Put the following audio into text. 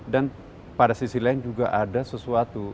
dan pada sisi lain juga ada sesuatu